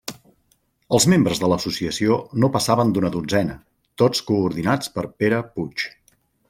Els membres de l'associació no passaven d'una dotzena, tots coordinats per Pere Puig.